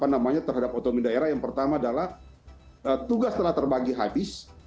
pemerintah daerah yang pertama adalah tugas telah terbagi habis